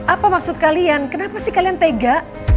apa maksud kalian kenapa sih kalian tega